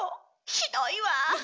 ひどいわ。